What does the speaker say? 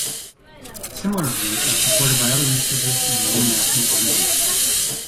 Similar views are supported by other researchers and international organizations.